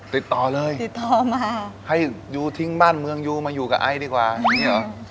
ติดต่อเลยติดต่อมาให้ยูทิ้งบ้านเมืองยูมาอยู่กับไอดีกว่าอย่างนี้เหรอ